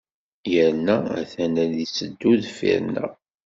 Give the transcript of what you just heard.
Yerna a-t-an ad d-itteddu deffir-nneɣ.